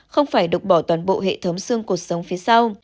không phải đục bỏ toàn bộ hệ thống xương cột sống phía sau